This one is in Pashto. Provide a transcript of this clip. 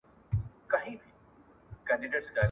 علم اقتصاد ته مرسته کوي.